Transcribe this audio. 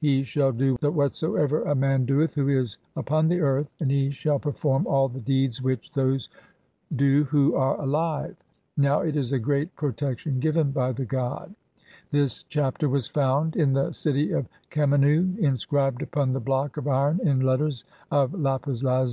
HE SHALL DO WHATSOEVER A MAN DOETH WHO IS UPON THE EARTH, AND HE SHALL PERFORM ALL THE DEEDS WHICH THOSE DO WHO ARE [ALIVE]. NOW IT IS A GREAT PROTECTION [GIVEN] BY THE GOD. THIS CHAPTER WAS FOUND (52) IN THE CITY OF KHEMENNU INSCRIBED UPON THE BLOCK OF IRON IN LETTERS OF LAPIS LAZUI.